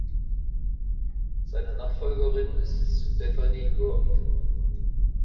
Seine Nachfolgerin ist Stephanie Grond.